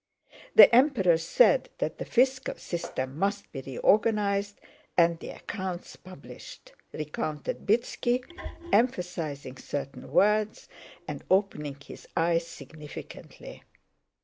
The Emperor said that the fiscal system must be reorganized and the accounts published," recounted Bítski, emphasizing certain words and opening his eyes significantly.